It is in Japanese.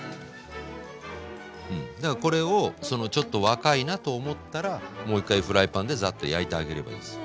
だからこれをちょっと若いなと思ったらもう一回フライパンでザッと焼いてあげればいいです。